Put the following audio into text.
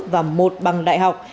và một bằng đại học